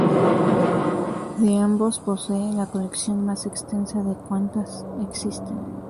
De ambos posee la colección más extensa de cuantas existen.